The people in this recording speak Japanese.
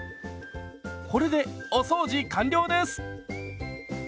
これでお掃除完了です！